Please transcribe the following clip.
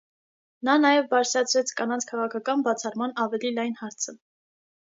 Նա նաև բարձրացրեց կանանց քաղաքական բացառման ավելի լայն հարցը։